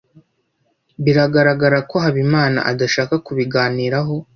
biragaragara ko habimana adashaka kubiganiraho